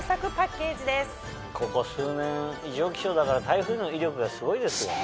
ここ数年異常気象だから台風の威力がすごいですよね。